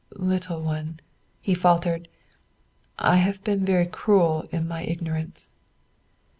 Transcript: "Little one," he faltered, "I have been very cruel in my ignorance."